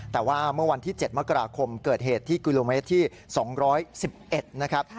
แต่ว่าเมื่อวันที่๗มกราคมเกิดเหตุที่กิโลเมตรที่๒๑๑นะครับ